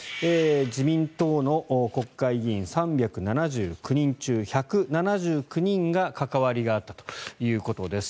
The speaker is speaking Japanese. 自民党の国会議員３７９人中１７９人が関わりがあったということです。